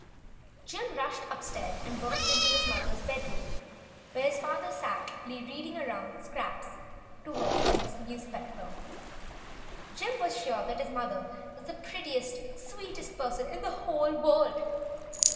Jim rushed upstairs and burst into his mother's bedroom, where his father sat reading aloud scraps to her from the newspaper. Jim was sure that his mother was the prettiest, sweetest person in the whole world.